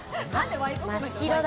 真っ白だ。